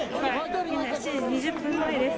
今、７時２０分前です。